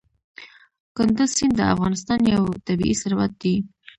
کندز سیند د افغانستان یو طبعي ثروت دی.